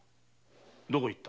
どこへ行った？